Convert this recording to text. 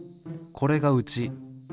これがうち。